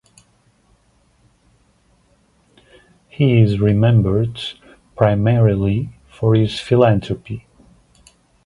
He is remembered primarily for his philanthropy.